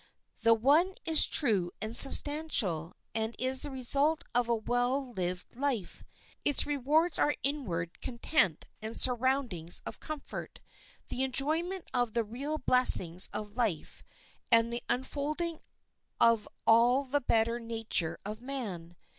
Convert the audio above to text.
The one is true and substantial, and is the result of a well lived life. Its rewards are inward content and surroundings of comfort; the enjoyment of the real blessings of life and the unfolding of all the better nature of man.